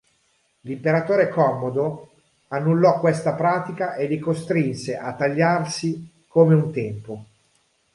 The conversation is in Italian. L'Imperatore Commodo annullò questa pratica e li costrinse a tagliarsi come un tempo.